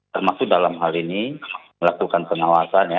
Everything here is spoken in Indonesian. termasuk dalam hal ini melakukan pengawasan ya